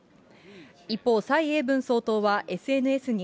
一方、蔡英文総統はＳＮＳに、